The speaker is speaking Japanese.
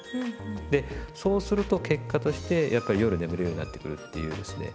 でそうすると結果としてやっぱり夜眠るようになってくるっていうですね